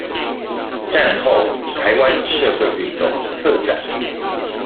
戰後臺灣社會運動特展